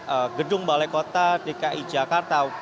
dari pihak gedung balai kota dki jakarta